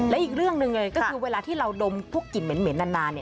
และอีกเรื่องหนึ่งเลยก็คือเวลาที่เราดมพวกกลิ่นเหม็นนาน